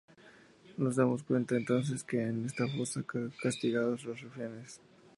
Nos damos cuenta entonces que en esta fosa son castigados los rufianes.